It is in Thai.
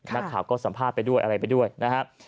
นักข่าวก็สัมภาษณ์ไปด้วยอะไรไปด้วยนะครับ